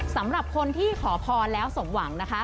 สำหรับคนที่ขอพรแล้วสมหวังนะคะ